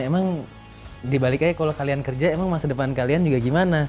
emang dibalik aja kalau kalian kerja emang masa depan kalian juga gimana